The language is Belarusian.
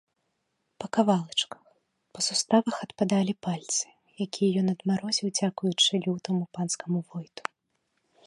Па кавалачках, па суставах адпадалі пальцы, якія ён адмарозіў дзякуючы лютаму панскаму войту.